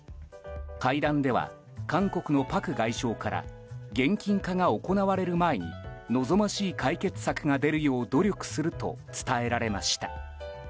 会談では、韓国のパク外相から現金化が行われる前に望ましい解決策が出るよう努力すると伝えられました。